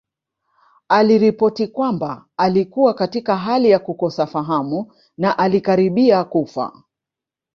Aliripoti kwamba alikuwa katika hali ya kukosa fahamu na alikaribia kufa